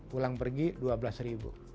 pulang pergi rp dua belas